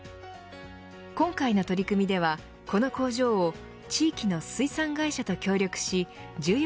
今回の取り組みでは、この工場を地域の水産会社と協力し１４